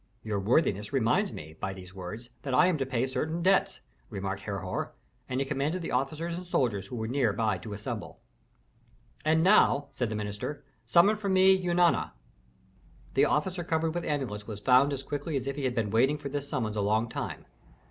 "Your worthiness reminds me, by these words, that I am to pay certain debts," remarked Herhor; and he commanded the officers and soldiers who were near by to assemble. "And now," said the minister, "summon for me Eunana." The officer covered with amulets was found as quickly as if he had been waiting for this summons a long time.